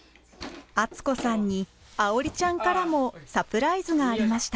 厚子さんに愛織ちゃんからもサプライズがありました。